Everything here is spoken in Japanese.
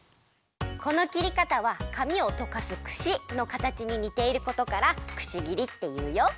この切り方はかみをとかすくしのかたちににていることからくし切りっていうよ。